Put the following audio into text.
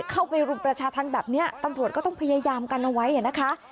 เข้าไปรุมประชาธรรมแบบนี้ตำรวจก็ต้องพยายามกันเอาไว้นะคะ